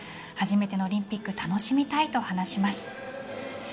初めてのオリンピック楽しみたいと話します。